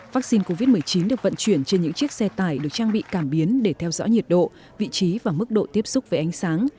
vaccine covid một mươi chín được vận chuyển trên những chiếc xe tải được trang bị cảm biến để theo dõi nhiệt độ vị trí và mức độ tiếp xúc với ánh sáng